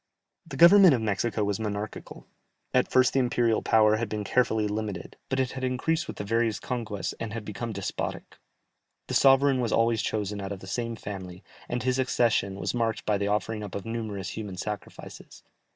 The Government of Mexico was monarchical; at first the imperial power had been carefully limited, but it had increased with the various conquests, and had become despotic. The sovereign was always chosen out of the same family, and his accession was marked by the offering up of numerous human sacrifices.